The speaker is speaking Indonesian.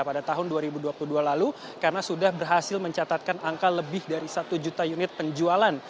pada tahun dua ribu dua puluh dua lalu karena sudah berhasil mencatatkan angka lebih dari satu juta unit penjualan